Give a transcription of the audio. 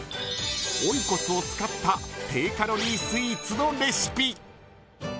オイコスを使った低カロリースイーツのレシピ。